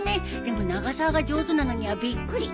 でも永沢が上手なのにはびっくり！